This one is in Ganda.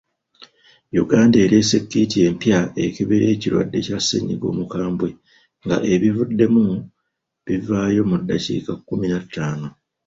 Uganda ereese kiiti empya ekebera ekirwadde kya ssennyiga omukambwe nga ebivuddemu bivaayo mu ddakiika kkumi na ttaano.